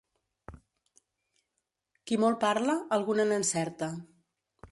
Qui molt parla, alguna n'encerta.